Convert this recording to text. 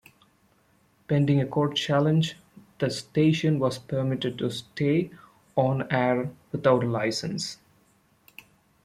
Pending a court challenge, the station was permitted to stay on-air without a licence.